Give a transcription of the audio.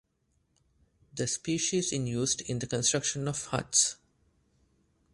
The species in used in the construction of huts.